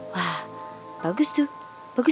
wah bagus tuh